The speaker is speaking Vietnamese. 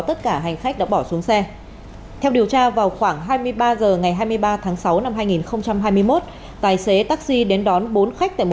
tất cả hành khách đã bỏ xuống xe theo điều tra vào khoảng hai mươi ba h ngày hai mươi ba tháng sáu năm hai nghìn hai mươi một tài xế taxi đến đón bốn khách tại một